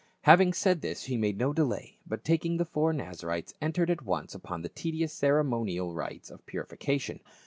Having said this he made no delay, but taking the four Naza rites entered at once upon the tedious ceremonial rites of purification.